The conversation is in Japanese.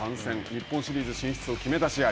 日本シリーズ進出を決めた試合。